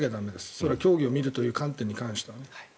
それは競技を見るという観点に関してはね。